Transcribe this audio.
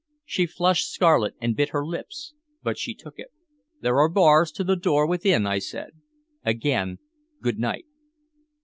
She flushed scarlet and bit her lips, but she took it. "There are bars to the door within," I said. "Again, good night."